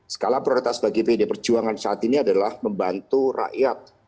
skala prioritas bagi pd perjuangan saat ini adalah membantu rakyat